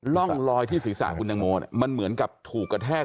ร่องรอยที่ศีรษะคุณตังโมมันเหมือนกับถูกกระแทก